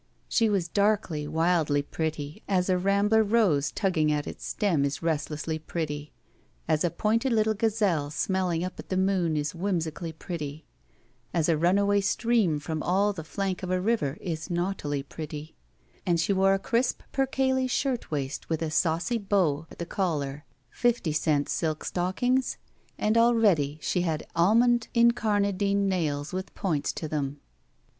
She was darkly, wildly pretty, as a rambler rose tugging at its stem is restlessly pretty, as a pointed little gazelle smelling up at the moon is whimsically pretty, as a runaway stream from oflE the flank of a river is naughtily pretty, and she wore a crisp per cale shirt waist with a saucy bow at the collar, fifty cent silk stockings, and already she had almond incarnadine nails with points to them.